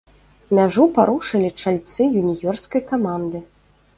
Мяжу парушылі чальцы юніёрскай каманды.